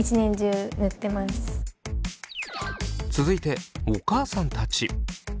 続いてお母さんたち。